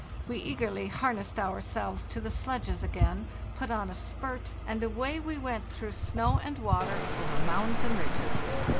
We eagerly har nessed ourselves to the sledges again, put on a spurt, and away we went through snow and water, over mounds and ridges.